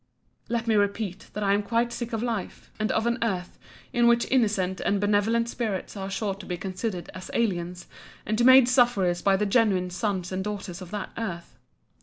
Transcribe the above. Let me repeat, that I am quite sick of life; and of an earth, in which innocent and benevolent spirits are sure to be considered as aliens, and to be made sufferers by the genuine sons and daughters of that earth.